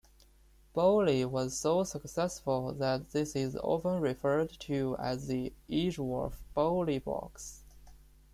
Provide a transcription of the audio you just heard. Bowley was so successful that this is often referred to as the "Edgeworth-Bowley box".